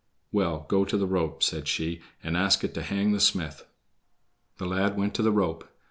"Well, go to the rope," said she, "and ask it to hang the smith." The lad went to the rope.